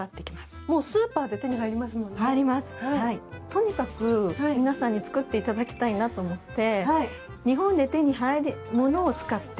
とにかく皆さんに作っていただきたいなと思って。